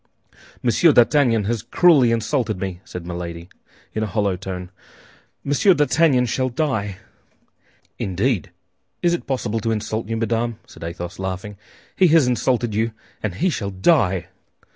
"Monsieur d'Artagnan has cruelly insulted me," said Milady, in a hollow tone; "Monsieur d'Artagnan shall die!" "Indeed! Is it possible to insult you, madame?" said Athos, laughing; "he has insulted you, and he shall die!"